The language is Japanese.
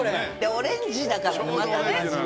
オレンジだからまたね。